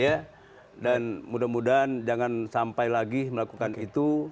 ya dan mudah mudahan jangan sampai lagi melakukan itu